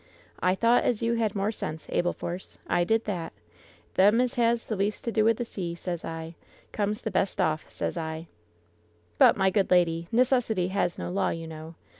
"I thought as you had more sense, Abel Force ! I did that ! Them as has the least to do with the sea, sez I, comes the best off, sezir "But, my good lady, necessity has no law, you know.